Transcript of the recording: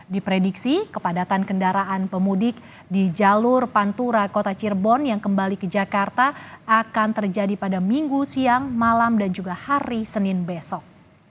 diprediksi kepadatan kendaraan pemudik di jalur pantura kota cirebon yang kembali ke jakarta akan terjadi pada minggu siang malam dan juga hari senin besok